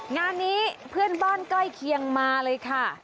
งานนี้เพื่อนบ้านใกล้เคียงมาเลยค่ะ